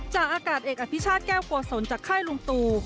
จากอากาศเอกอภิชาแก้วกวสลจากไข้ลุงตู